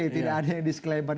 tidak ada yang diselamatkan